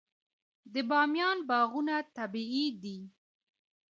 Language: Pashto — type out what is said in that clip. د بامیان باغونه طبیعي دي.